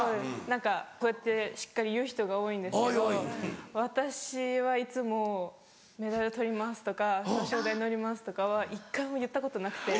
何かこうやってしっかり言う人が多いんですけど私はいつも「メダルとります！」とか「表彰台乗ります！」とかは１回も言ったことなくて。